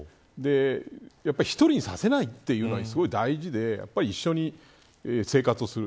１人にさせないというのが大事で一緒に生活をする。